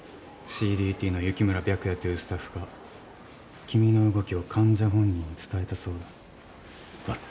ＣＤＴの雪村白夜というスタッフが君の動きを患者本人に伝えたそうだ。